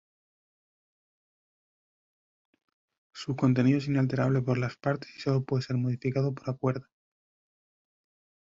Su contenido es inalterable por las partes y solo puede ser modificado por acuerdo.